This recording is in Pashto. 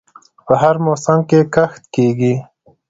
په هر موسم کې کښت کیږي.